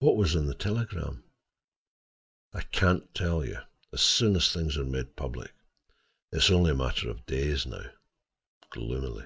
"What was in the telegram?" "I can tell you—as soon as certain things are made public. It is only a matter of days now," gloomily.